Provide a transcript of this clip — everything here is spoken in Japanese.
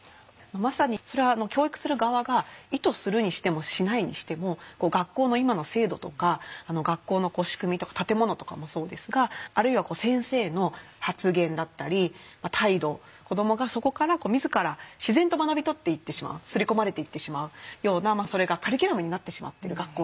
まさにそれは教育する側が意図するにしてもしないにしても学校の今の制度とか学校の仕組みとか建物とかもそうですがあるいは先生の発言だったり態度子どもがそこから自ら自然と学び取っていってしまう刷り込まれていってしまうようなそれがカリキュラムになってしまっている学校の。